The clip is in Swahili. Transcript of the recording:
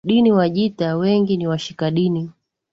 Dini Wajita wengi ni washika dini